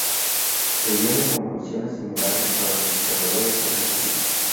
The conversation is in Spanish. Se llega a conclusiones similares para los operadores de núcleo.